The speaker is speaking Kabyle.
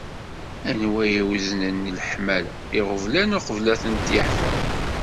Anwa iweznen leḥmala, iɣublan uqbel ad tent-yeḥfeḍ?